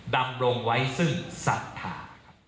ดำรงไว้ซึ่งศรัทธา